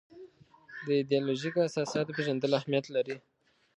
د ایدیالوژیکو اساساتو پېژندل اهمیت لري.